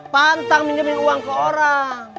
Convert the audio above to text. pantang menjamin uang ke orang